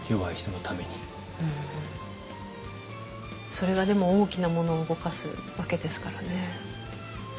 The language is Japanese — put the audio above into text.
それがでも大きなものを動かすわけですからね。